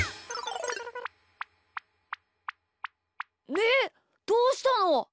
みーどうしたの？